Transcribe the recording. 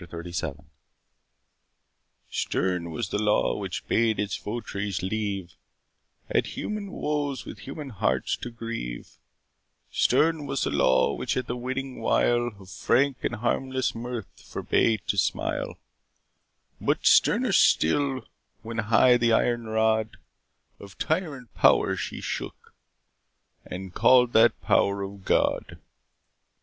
CHAPTER XXXVII Stern was the law which bade its vot'ries leave At human woes with human hearts to grieve; Stern was the law, which at the winning wile Of frank and harmless mirth forbade to smile; But sterner still, when high the iron rod Of tyrant power she shook, and call'd that power of God.